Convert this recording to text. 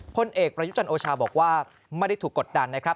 พลเอกประยุจันทร์โอชาบอกว่าไม่ได้ถูกกดดันนะครับ